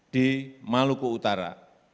di maluku utara